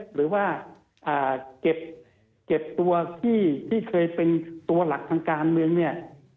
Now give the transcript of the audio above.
หรือว่าเก็บตัวที่เคยเป็นตัวหลักทางการเมืองเนี่ย